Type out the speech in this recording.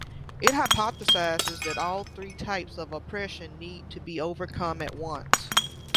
It hypothesizes that all three types of oppression need to be overcome at once.